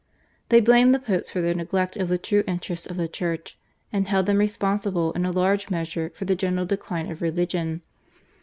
They blamed the Popes for their neglect of the true interests of the Church, and held them responsible in a large measure for the general decline of religion.